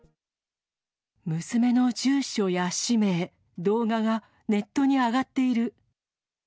娘の住所や氏名、動画がネットに上がっている。